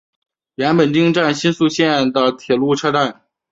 岩本町站新宿线的铁路车站。